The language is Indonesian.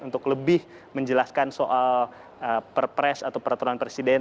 untuk lebih menjelaskan soal perpres atau peraturan presiden